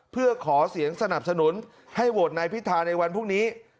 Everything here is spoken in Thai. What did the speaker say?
เพื่อขอเสียงสนับสนุนให้โหวตนายพิธาในวันพรุ่งนี้